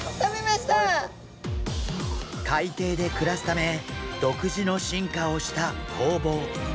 海底で暮らすため独自の進化をしたホウボウ。